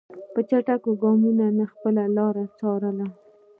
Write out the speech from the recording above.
په چټکو ګامونو مې خپله لاره څارله.